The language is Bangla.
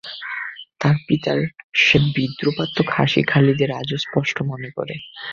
তাঁর পিতার সে বিদ্রুপাত্মক হাসি খালিদের আজও স্পষ্ট মনে পড়ে।